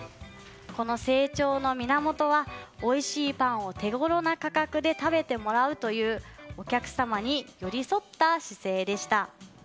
この成長の源は、おいしいパンを手ごろな価格で食べてもらうというお客様に寄り添った姿勢でした。